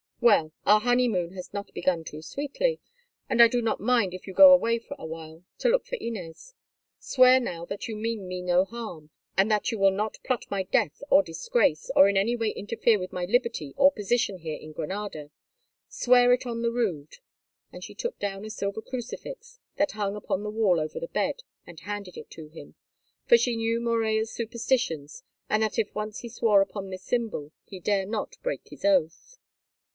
"Well, our honeymoon has not begun too sweetly, and I do not mind if you go away for a while—to look for Inez. Swear now that you mean me no harm, and that you will not plot my death or disgrace, or in any way interfere with my liberty or position here in Granada. Swear it on the Rood." And she took down a silver crucifix that hung upon the wall over the bed and handed it to him. For she knew Morella's superstitions, and that if once he swore upon this symbol he dare not break his oath.